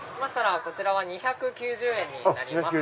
こちらは２９０円になります。